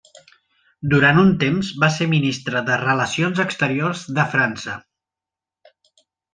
Durant un temps va ser ministre de Relacions Exteriors de França.